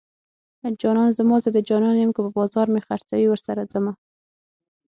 جانان زما زه د جانان يم که په بازار مې خرڅوي ورسره ځمه